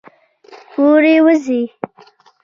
پورې ، وځي